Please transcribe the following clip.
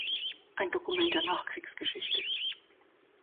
Ein Dokument der Nachkriegsgeschichte.